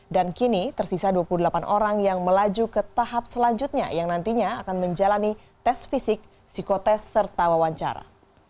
kini tersisa dua puluh delapan orang yang melaju ke tahap selanjutnya yang nantinya akan menjalani tes fisik psikotest serta wawancara